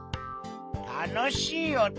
たのしいおと？